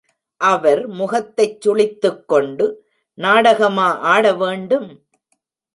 அவர் முகத்தைச் சுளித்துக்கொண்டு, நாடகமா ஆட வேண்டும்?